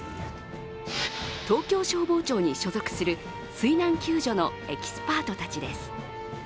東京消防庁に所属する水難救助のエキスパートたちです。